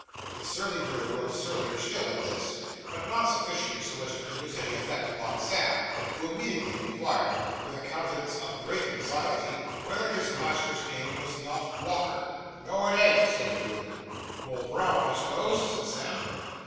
The surly groom looked surlier still at this, but not sufficiently so to produce any effect upon Sam, who immediately inquired, with a countenance of great anxiety, whether his master's name was not Walker. 'No, it ain't,' said the groom. 'Nor Brown, I s'pose?' said Sam.